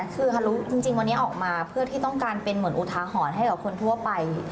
คือฮารุจริงวันนี้ออกมาเพื่อที่ต้องการเป็นเหมือนอุทาหรณ์ให้กับคนทั่วไป